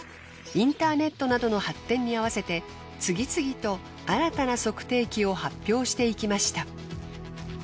インターネットなどの発展に合わせて次々と新たな測定器を発表していきました。